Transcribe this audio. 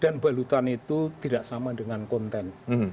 dan balutan itu tidak sama dengan konten